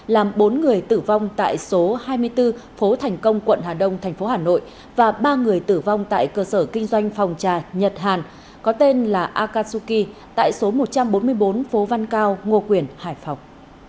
làm bốn người tử vong tại số hai mươi bốn phố thành công quận hà đông thành phố hà nội và ba người tử vong tại cơ sở kinh doanh phòng trà nhật hàn có tên là akasuki tại số một trăm bốn mươi bốn phố văn cao ngô quyền hải phòng